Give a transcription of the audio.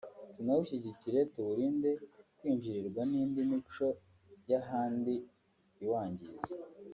tunawushyigikire tuwurinde kwinjirirwa n’indi mico y’ahandi iwangiza”